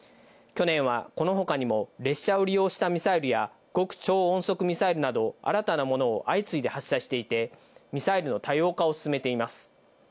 去年は、この他にも列車を利用したミサイルや極超音速ミサイルなど、新たなものを相次いで発射していてミサイルの多様化を進めています。